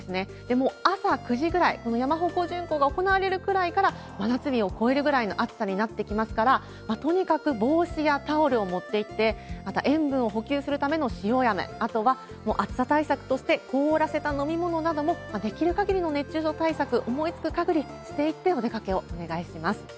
もう朝９時ぐらい、この山鉾巡行が行われるぐらいから、真夏日を超えるぐらいの暑さになってきますから、とにかく帽子やタオルを持っていって、また塩分を補給するための塩あめ、あとは暑さ対策として、凍らせた飲み物なども、できる限りの熱中症対策、思いつくかぎりして行って、お出かけをお願いします。